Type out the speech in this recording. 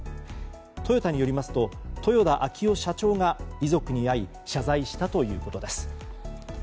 トヨタによりますと豊田章男社長が遺族に会い謝罪したということです。